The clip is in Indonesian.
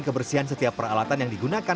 kebersihan setiap peralatan yang digunakan